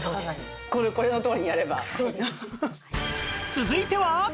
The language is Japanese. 続いては